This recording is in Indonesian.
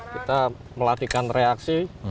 kita melatihkan reaksi